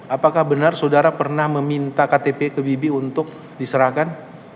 apakah benar saudara pernah meminta ktp ke bibi untuk diserahkan